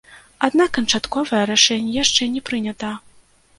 Аднак канчатковае рашэнне яшчэ не прынята.